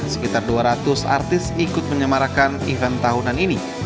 sekitar dua ratus artis ikut menyemarakan event tahunan ini